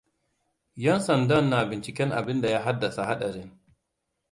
Yan sandan na binciken abinda ya haddasa haɗarin.